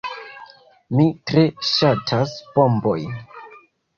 Mi tre ŝatas bombojn.